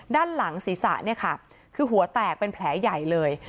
ด้านหลังศีรษะคือหัวแตกเป็นแผลใหญ่เลย